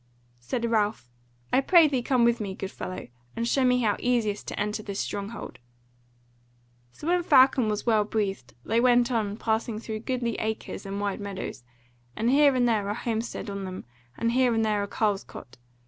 Said Ralph: "I pray thee come with me, good fellow, and show me how easiest to enter this stronghold." So, when Falcon was well breathed, they went on, passing through goodly acres and wide meadows, with here and there a homestead on them, and here and there a carle's cot.